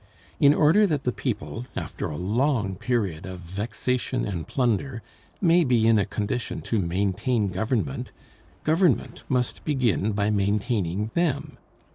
In order that the people, after a long period of vexation and plunder, may be in a condition to maintain government, government must begin by maintaining them.